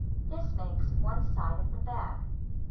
This makes one side of the bag.